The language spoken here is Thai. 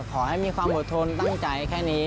ขอให้มีความอดทนตั้งใจแค่นี้